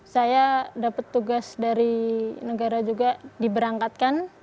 saya dapat tugas dari negara juga diberangkatkan